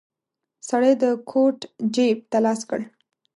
سړی د کوټ جيب ته لاس کړ.